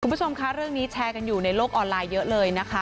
คุณผู้ชมคะเรื่องนี้แชร์กันอยู่ในโลกออนไลน์เยอะเลยนะคะ